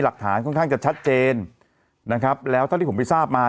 ข้างจากชัดเจนนะครับแล้วต้านที่ผมไปทราบมา